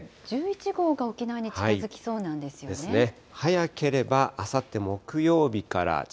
１１号が沖縄に近づきそうなんですよね。